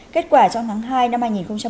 kết quả trong tháng hai năm hai nghìn một mươi sáu